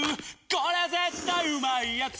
これ絶対うまいやつ」